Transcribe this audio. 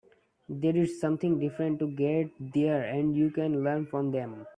They did something different to get there and you can learn from them.